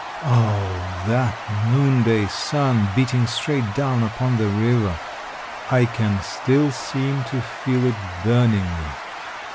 Oh, that noonday sun beating straight down upon the river ; I can still seem to feel it burning me